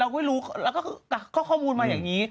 ไม่รู้แล้วก็ข้อมูลมาอย่างนี้